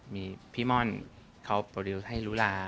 มีพี่ม่อนเขาโปรดิวต์ให้ลุลา